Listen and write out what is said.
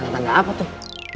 tanda tanda apa tuh